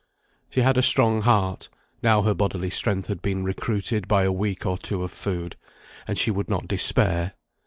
She had a strong heart, now her bodily strength had been recruited by a week or two of food, and she would not despair.